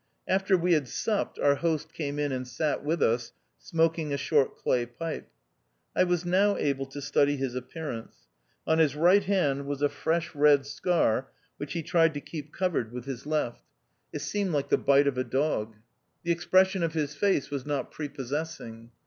After we had supped, our host came in and sat with us, smoking a short clay pipe. I was now able to study his appearance. On his right hand was a fresh red scar which he tried to keep covered with his left. It THE OUTCAST. 203 seemed like the bite of a dog. The expres sion of his face was not prepossessing.